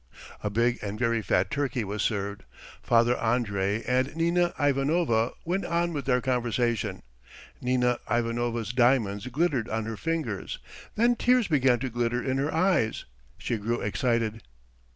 A big and very fat turkey was served. Father Andrey and Nina Ivanovna went on with their conversation. Nina Ivanovna's diamonds glittered on her fingers, then tears began to glitter in her eyes, she grew excited.